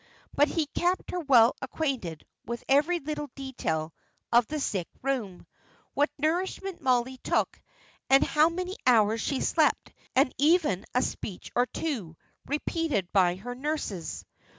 But he kept her well acquainted with every little detail of the sick room what nourishment Mollie took, and how many hours she slept, and even a speech or two, repeated by her nurses.